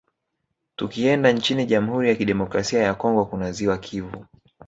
Tukienda nchini Jamhuri ya Kidemokrasia ya Congo kuna ziwa Kivu